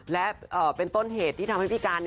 และเป็นต้นเหตุที่ทำให้พี่การ